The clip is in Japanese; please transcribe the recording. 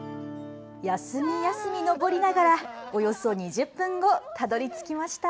上りながら、およそ２０分後、たどりつきました。